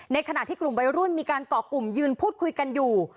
ขณะที่กลุ่มวัยรุ่นมีการเกาะกลุ่มยืนพูดคุยกันอยู่